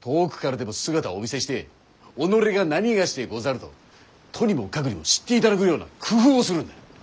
遠くからでも姿をお見せして「己が何某でござる！」ととにもかくにも知っていただくような工夫をするんだ。